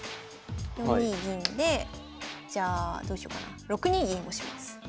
４二銀でじゃあどうしようかな６二銀とします。